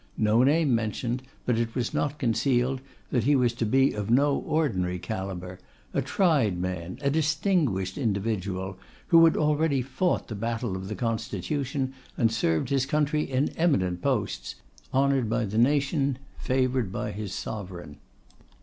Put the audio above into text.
No name mentioned, but it was not concealed that he was to be of no ordinary calibre; a tried man, a distinguished individual, who had already fought the battle of the constitution, and served his country in eminent posts; honoured by the nation, favoured by his sovereign.